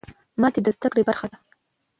ماتې د زده کړې برخه ده.